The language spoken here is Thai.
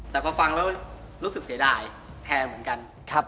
แต่พอฟังแล้วรู้สึกเสียดายแทนเหมือนกัน